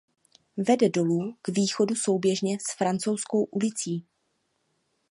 Vede dolů k východu souběžně s Francouzskou ulicí.